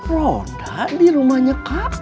ronda di rumahnya kak ros